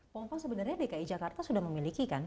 pompa sebenarnya dki jakarta sudah memiliki kan